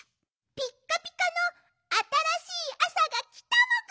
ピッカピカのあたらしいあさがきたもぐ！